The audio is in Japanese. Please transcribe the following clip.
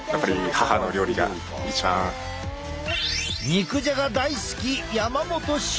肉じゃが大好き山本柊。